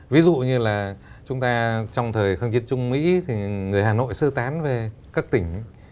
ví dụ như là chúng ta trong thời kháng chiến chung mỹ thì người hà nội sơ tán về các tỉnh